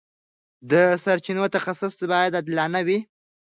د سرچینو تخصیص باید عادلانه وي.